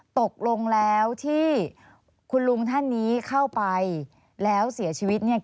ตกลงแล้วที่คุณลุงท่านนี้เข้าไปแล้วเสียชีวิตเนี่ย